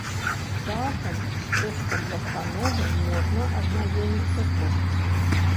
Цалкам з тэкстам пастановы можна азнаёміцца тут.